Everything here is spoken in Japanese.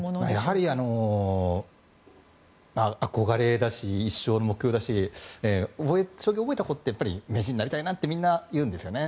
やはり憧れだし一生の目標だし将棋を覚えた子って名人になりたいなってみんな言うんですよね。